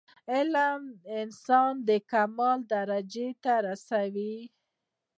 علم انسان د کمال درجي ته رسوي.